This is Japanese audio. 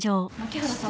槇原さん